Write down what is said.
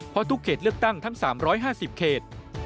เพราะทุกเขตเลือกตั้งทั้ง๓๕๐เขต